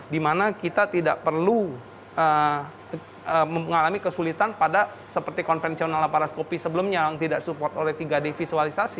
di mana kita tidak perlu mengalami kesulitan pada seperti konvensional laparaskopi sebelumnya yang tidak support oleh tiga d visualisasi